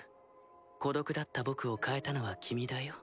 孤独だった僕を変えたのは君だよ。